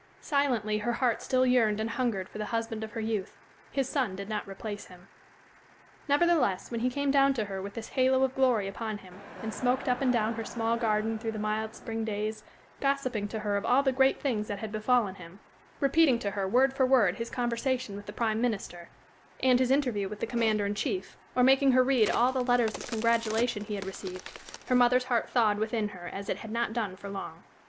Silently her heart still yearned and hungered for the husband of her youth; his son did not replace him. Nevertheless, when he came down to her with this halo of glory upon him, and smoked up and down her small garden through the mild spring days, gossiping to her of all the great things that had befallen him, repeating to her, word for word, his conversation with the Prime Minister, and his interview with the Commander in Chief, or making her read all the letters of congratulation he had received, her mother's heart thawed within her as it had not done for long.